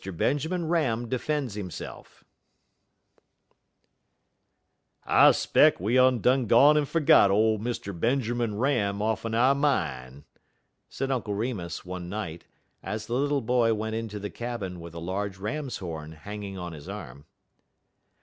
BENJAMIN RAM DEFENDS HIMSELF "I 'speck we all dun gone en fergot ole Mr. Benjermun Ram off'n our min'," said Uncle Remus, one night, as the little boy went into the cabin with a large ram's horn hanging on his arm.